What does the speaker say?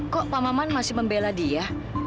kok pak maman masih membela dia